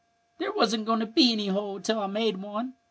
"There wasn't goin' to be any hole, till I made one.